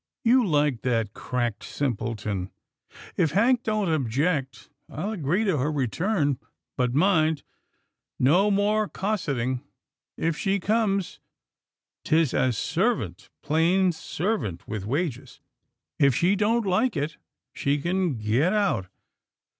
You liked that cracked simpleton. If Hank don't object, I'll agree to her return, but mind, no more cosset ing. If she comes, 'tis as servant — plain servant, with wages. If she don't like it, she can get out.